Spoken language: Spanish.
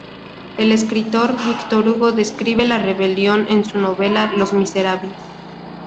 El escritor Víctor Hugo describe la rebelión en su novela "Los miserables".